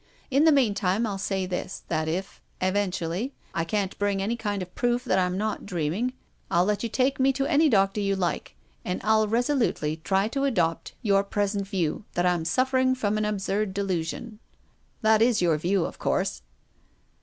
In the meanwhile, I'll say this, that if, eventually, I can't bring any kind of proof that I'm not dreaming I'll let you take me to any doctor you like, and I'll resolutely try to adopt your present view — that I'm suffer ing from an absurd delusion. That is your view of course